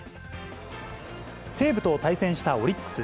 西武と対戦したオリックス。